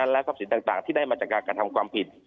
และทรัพย์สินต่างที่ได้มาจากการกระทำความผิด